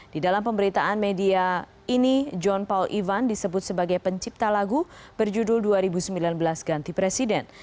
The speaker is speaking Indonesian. di dalam pemberitaan media ini john paul ivan disebut sebagai pencipta lagu berjudul dua ribu sembilan belas ganti presiden